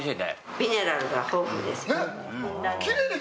ミネラルが豊富です。